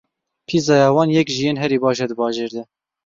Pîzaya wan yek ji yên herî baş e di bajêr de.